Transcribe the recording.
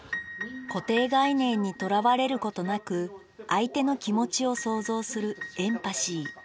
固定概念にとらわれることなく相手の気持ちを想像するエンパシー。